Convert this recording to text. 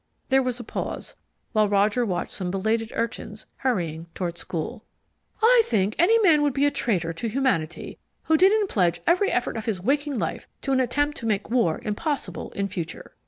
There was a pause, while Roger watched some belated urchins hurrying toward school. "I think any man would be a traitor to humanity who didn't pledge every effort of his waking life to an attempt to make war impossible in future."